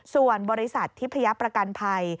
ส่วนบริษัททิพยประกันภัย